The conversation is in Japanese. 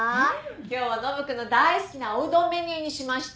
今日はノブ君の大好きなおうどんメニューにしました。